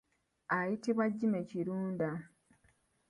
Ayitibwa Jimmy Kirunda.